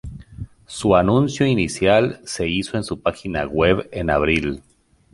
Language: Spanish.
Su anuncio inicial se hizo en su página web en abril.